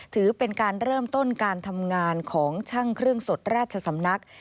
ถือเป็นการเริ่มต้นการทำงานของช่างเครื่องสดราชสำนัก